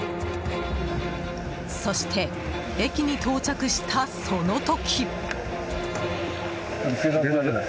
そして駅に到着した、その時！